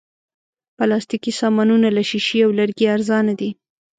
پلاستيکي سامانونه له شیشې او لرګي ارزانه دي.